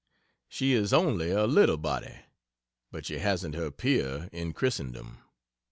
She is only a little body, but she hasn't her peer in Christendom.